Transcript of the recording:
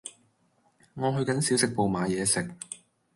我去緊小食部買嘢食